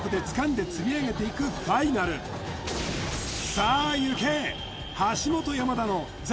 さあいけ！